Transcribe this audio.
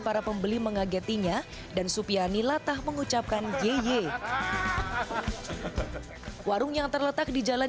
para pembeli mengagetinya dan supiani latah mengucapkan yeye warung yang terletak di jalan